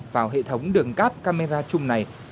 vào hệ thống đường cáp camera chung này